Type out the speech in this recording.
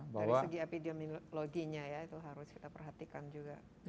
dari segi epidemiologinya ya itu harus kita perhatikan juga